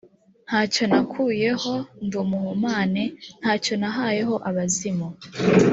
nta cyo nakuyeho ndi umuhumane, nta cyo nahayeho abazimu.